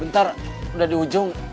bentar udah di ujung